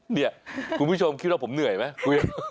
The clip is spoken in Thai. เนี่ยคุณผู้ชมคิดว่าผมเหนื่อยไหม